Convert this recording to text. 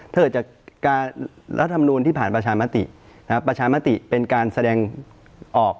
ถ้าเกิดจากการรัฐมนูลที่ผ่านประชามติประชามติเป็นการแสดงออก